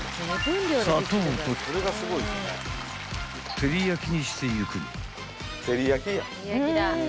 ［てりやきにしていく］